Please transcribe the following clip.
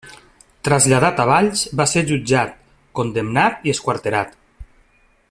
Traslladat a Valls va ser jutjat, condemnat i esquarterat.